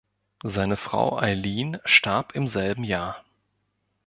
Seine Frau Eileen starb im selben Jahr.